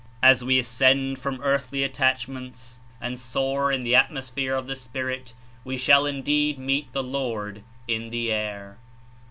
As we ascend from earthly attachments and soar in the atmosphere of the Spirit we shall indeed "meet the Lord in the air."